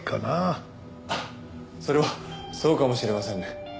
それはそうかもしれませんね。